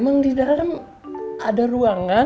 memang di dalam ada ruangan